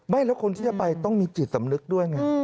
แล้วคนที่จะไปต้องมีจิตสำนึกด้วยไง